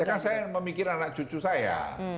ya kan saya yang memikirkan anak cucu saya